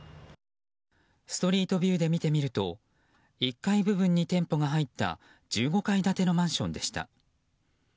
ストリートビューで見てみると１階部分に店舗が入った１５階建てのマンションでした。